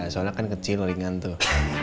soalnya kan kecil ringan tuh